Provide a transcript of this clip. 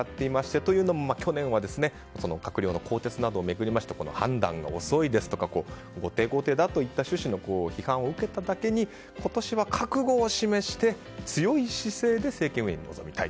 というのも、去年は閣僚の更迭などを巡って判断が遅いですとか後手後手だといった趣旨の批判を受けただけに今年は覚悟を示して強い姿勢で政権運営に臨みたい。